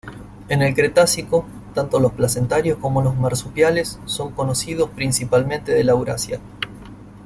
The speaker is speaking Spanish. En el Cretácico, tanto los placentarios como los marsupiales son conocidos principalmente de Laurasia.